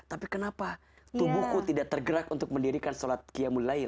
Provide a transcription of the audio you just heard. tapi kenapa tubuhku tidak tergerak untuk mendirikan sholat qiyamul lain